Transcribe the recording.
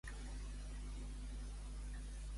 Puig començarà a contactar amb els ajuntaments al juliol?